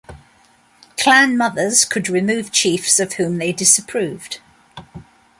Clan mothers could remove chiefs of whom they disapproved.